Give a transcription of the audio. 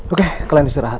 oke kalian istirahat